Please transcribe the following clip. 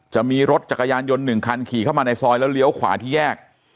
จะมีรถจักรยานยนต์๑คันขี่เข้ามาในซอยแล้วเลี้ยวขวาที่แยก